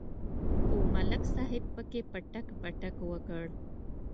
خو ملک صاحب پکې پټک پټک وکړ.